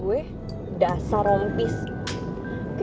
waduh apaan ini